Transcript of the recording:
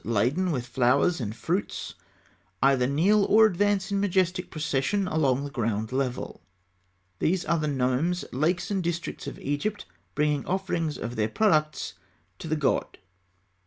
102), laden with flowers and fruits, either kneel, or advance in majestic procession, along the ground level. These are the nomes, lakes, and districts of Egypt, bringing offerings of their products to the god.